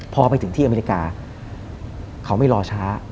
พอไปถึงที่อเมริกาเขาไม่รอช้า